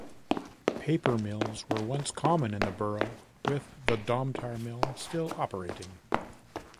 Paper mills were once common in the borough, with the Domtar mill still operating.